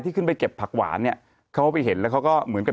ขึ้นไปเก็บผักหวานเนี่ยเขาไปเห็นแล้วเขาก็เหมือนกับ